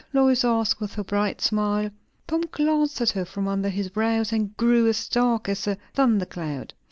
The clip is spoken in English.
Lois asked, with her bright smile. Tom glanced at her from under his brows, and grew as dark as a thundercloud.